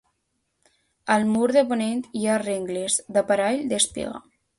Al mur de ponent hi ha rengles d'aparell d'espiga.